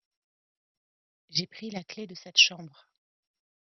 J'ai pris la clef de cette chambre.